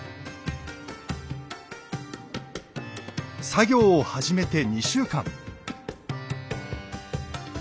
作業を始めて２週間。